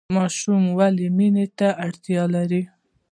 ماشوم ولې مینې ته اړتیا لري؟